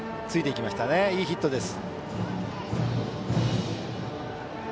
いいヒットです。